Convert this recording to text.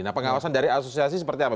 nah pengawasan dari asosiasi seperti apa